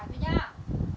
thích cây sửa không